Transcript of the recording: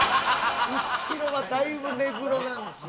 後ろはだいぶ根黒なんですよ。